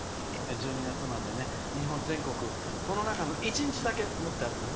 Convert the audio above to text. １２月まで日本全国この中の１日だけもって歩きます。